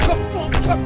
aduh ampun datuk